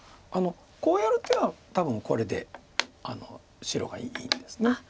こうやる手は多分これで白がいいんです。